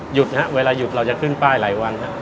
หยุดนะครับเวลาหยุดเราจะขึ้นป้ายหลายวันครับ